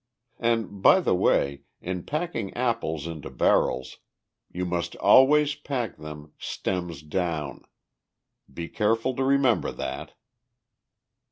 And, by the way, in packing apples into barrels, you must always pack them stems down. Be careful to remember that.